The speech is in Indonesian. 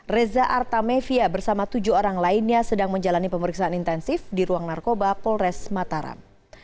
reza artamevia bersama tujuh orang lainnya sedang menjalani pemeriksaan intensif di ruang narkoba polres mataram